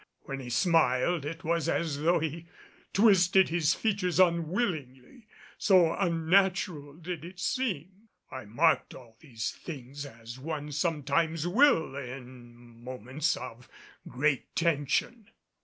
When he smiled it was as though he twisted his features unwillingly, so unnatural did it seem. I marked all these things as one sometimes will in moments of great tension.